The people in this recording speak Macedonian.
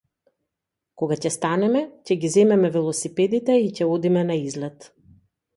Кога ќе станеме ќе ги земеме велосипедите и ќе одиме на излет.